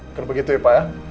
kan begitu ya pak ya